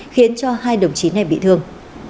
khiến cho hai đồng chí này bị thương